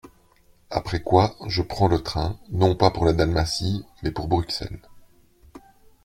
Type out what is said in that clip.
Après quoi, je prends le train, non pas pour la Dalmatie, mais pour Bruxelles.